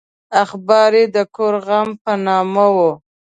اخبار یې د کور غم په نامه و.